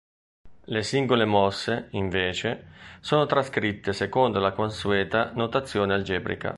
Le singole mosse, invece, sono trascritte secondo la consueta notazione algebrica.